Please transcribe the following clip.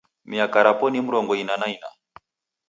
Miaka rapo ni mrongo ina na ina.